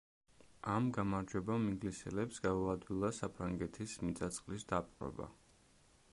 ამ გამარჯვებამ ინგლისელებს გაუადვილა საფრანგეთის მიწა-წყლის დაპყრობა.